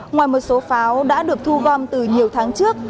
ngoài một số pháo đã được thu gom từ nhiều tháng trước